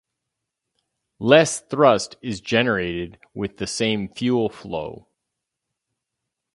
Less thrust is generated with the same fuel flow.